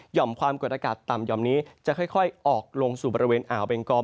่อมความกดอากาศต่ำห่อมนี้จะค่อยออกลงสู่บริเวณอ่าวเบงกอ